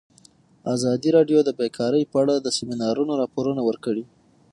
ازادي راډیو د بیکاري په اړه د سیمینارونو راپورونه ورکړي.